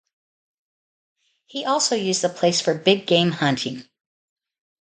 He also used the place for big game hunting.